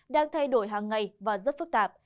đang thay đổi hàng ngày và rất phức tạp